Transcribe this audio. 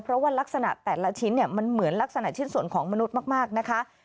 เพราะว่ารักษณะแต่ละชิ้นเนี่ยมันเหมือนลักษณะชิ้นส่วนของมนุษย์มากนะคะ